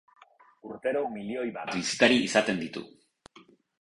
Urtero milioi bat bisitari izaten ditu.